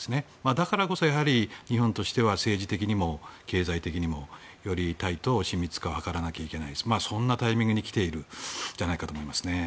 だからこそ日本としては政治的にも経済的にもよりタイと親密化を図らなきゃいけないそんなタイミングに来ているんじゃないかと思いますね。